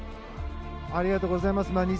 ありがとうございます。